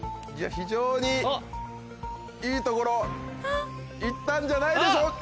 非常にいいところ行ったんじゃないでしょ。